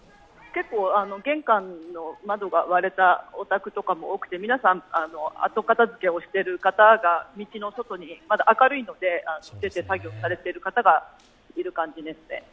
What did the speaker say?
玄関の窓が割れたお宅とかも多くて、皆さん、後片づけをしている方が道の外に、まだ明るいので出て作業している方がいる感じですね。